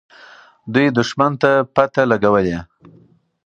دوی دښمن ته پته لګولې.